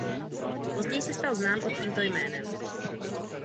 Později se stal znám pod tímto jménem.